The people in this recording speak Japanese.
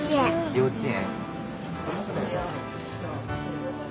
幼稚園。